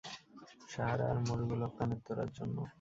সাহারা আর মরু গোলাপ কনের তোড়ার জন্য।